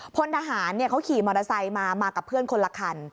พลทหารเขาขี่มอเตอร์ไซค์มามากับเพื่อนคนละคัน